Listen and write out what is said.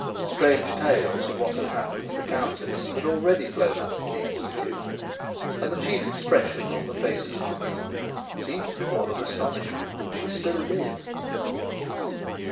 Strange tales of what had happened to the Countess had already flown up to the Institute, and the chief expression on the faces of the group seemed to be one of astonishment that she still lived.